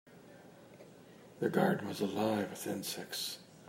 The garden was alive with insects.